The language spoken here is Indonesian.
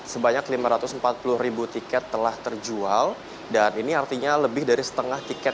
sebanyak lima ratus empat puluh ribu tiket telah terjual dan ini artinya lebih dari setengah tiket